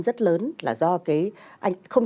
rất lớn là do cái anh không